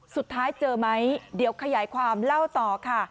สุดท้ายเจอไหมเดี๋ยวขยายความเล่าต่อค่ะ